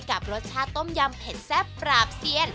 กับรสชาติต้มยำเผ็ดแซ่บปราบเซียน